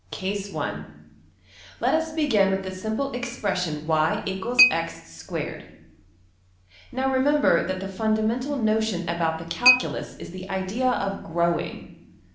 \Case Let us begin with the simple expression $y=x^2$. Now remember that the fundamental notion about the calculus is the idea of \emph{growing}.